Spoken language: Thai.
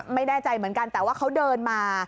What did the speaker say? ไม่แน่ใจเหมือนกันแต่ว่าเขาเดินมา